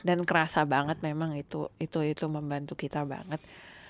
dan kerasa banget memang itu membantu kita banget